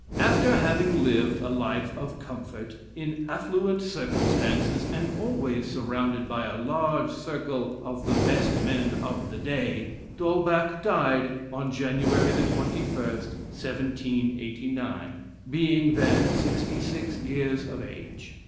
After having lived a life of comfort, in affluent circumstances, and always surrounded by a large circle of the best men of the day, D'Holbach died on January the 21st, 1789, being, then sixty six years of age.